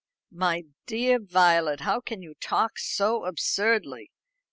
"My dear Violet, how can you talk so absurdly.